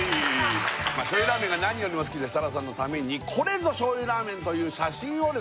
醤油ラーメンが何よりも好きな設楽さんのためにこれぞ醤油ラーメンという写真をですね